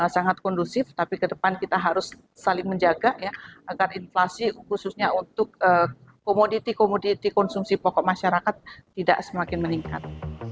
sangat kondusif tapi ke depan kita harus saling menjaga ya agar inflasi khususnya untuk komoditi komoditi konsumsi pokok masyarakat tidak semakin meningkat